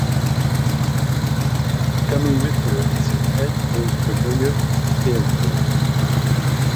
Coming with her is her pet and familiar, Vergere.